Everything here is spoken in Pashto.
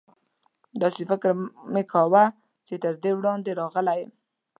داسې فکر مې کاوه چې تر دې وړاندې راغلی یم.